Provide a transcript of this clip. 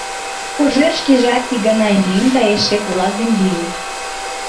Кожер шкежат ик гана йӱын да эше кулак дене йӱын.